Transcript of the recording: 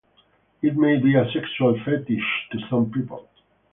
It may be a sexual fetish to some people.